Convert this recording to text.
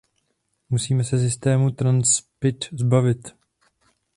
Musíme se systému Transrapid zbavit.